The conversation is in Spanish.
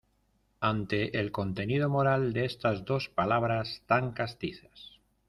ante el contenido moral de estas dos palabras tan castizas: